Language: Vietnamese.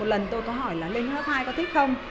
một lần tôi có hỏi là lên lớp hai có thích không